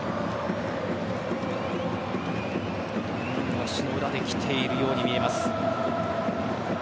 足の裏できているように見えます。